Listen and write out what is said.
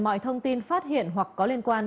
mọi thông tin phát hiện hoặc có liên quan